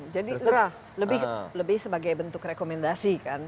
jadi lebih sebagai bentuk rekomendasi kan